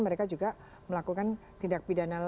mereka juga melakukan hal hal yang tidak terlalu berhasil